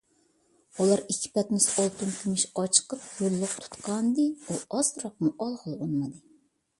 ئۇلار ئىككى پەتنۇس ئالتۇن - كۈمۈش ئاچىقىپ يوللۇق تۇتقانىدى، ئۇ ئازراقمۇ ئالغىلى ئۇنىمىدى.